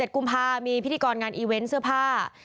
กุมภามีพิธีกรงานอีเวนต์เสื้อผ้า